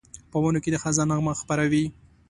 په ونو کې د خزان نغمه خپره وي